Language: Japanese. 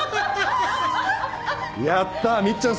やったみっちゃん